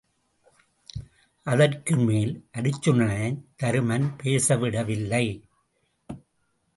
அதற்குமேல் அருச்சுனனைத் தருமன் பேசவிடவில்லை.